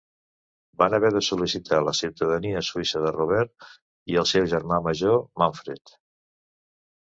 Van haver de sol·licitar la ciutadania suïssa de Robert i el seu germà major, Manfred.